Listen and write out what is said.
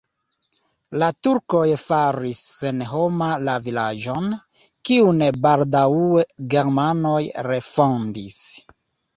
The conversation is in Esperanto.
La turkoj faris senhoma la vilaĝon, kiun baldaŭe germanoj refondis.